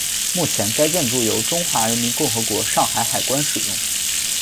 目前该建筑由中华人民共和国上海海关使用。